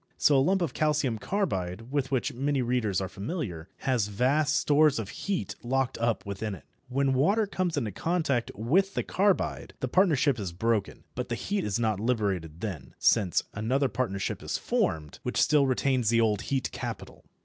So a lump of calcium carbide, with which many readers are familiar, has vast stores of heat locked up within it. When water comes into contact with the carbide the partnership is broken, but the heat is not liberated then, since another partnership is formed, which still retains the old heat capital.